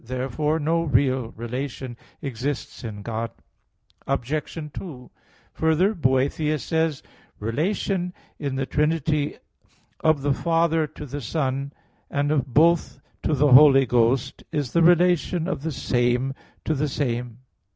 Therefore no real relation exists in God. Obj. 2: Further, Boethius says (De Trin. iv) that, "Relation in the Trinity of the Father to the Son, and of both to the Holy Ghost, is the relation of the same to the same."